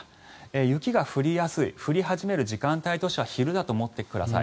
雪が降りやすい降り始める時間帯としては昼だと思ってください。